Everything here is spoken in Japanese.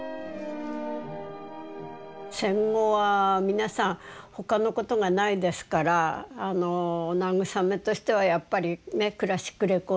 戦後は皆さん他のことがないですからお慰めとしてはやっぱりねクラシックレコード。